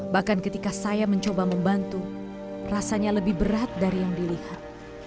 bahkan ketika saya mencoba membantu rasanya lebih berat dari yang dilihat